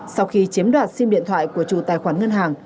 sau khi chiếm đoạt sim điện thoại của chủ tài khoản ngân hàng